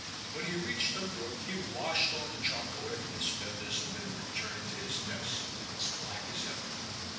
When he reached a brook he washed all the chalk away from his feathers and then returned to his nest as black as ever.